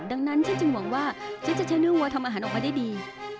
ดังนั้นฉันจึงหวังว่าฉันจะใช้เนื้อวัวทำอาหารออกมาได้ดี